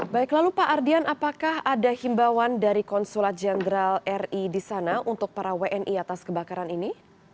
baik lalu pak ardian apakah ada himbawan dari konsulat jenderal ri di sana untuk para wni atas kebakaran ini